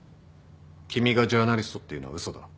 君がジャーナリストっていうのは嘘だ。